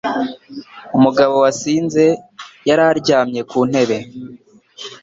Umugabo wasinze yari aryamye ku ntebe.